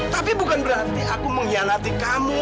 tapi bukan berarti aku mengkhianati kamu